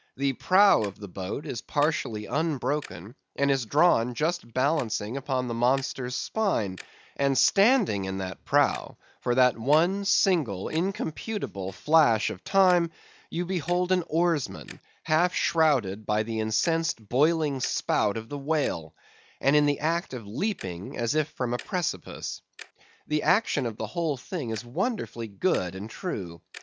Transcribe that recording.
The prow of the boat is partially unbroken, and is drawn just balancing upon the monster's spine; and standing in that prow, for that one single incomputable flash of time, you behold an oarsman, half shrouded by the incensed boiling spout of the whale, and in the act of leaping, as if from a precipice. The action of the whole thing is wonderfully good and true.